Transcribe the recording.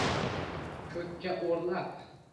Ko’kka o’rlab.